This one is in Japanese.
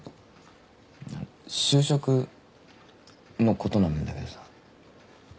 就職のことなんだけどさ。